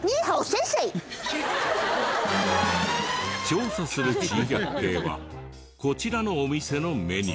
調査する珍百景はこちらのお店のメニュー。